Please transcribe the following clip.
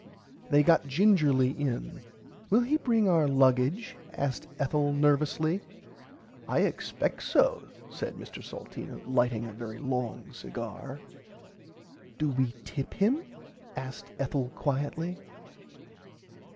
They got gingerly in. Will he bring our luggage asked Ethel nervously. I expect so said Mr Salteena lighting a very long cigar. Do we tip him asked Ethel quietly.